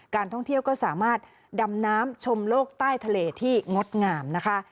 ท่องเที่ยวก็สามารถดำน้ำชมโลกใต้ทะเลที่งดงามนะคะ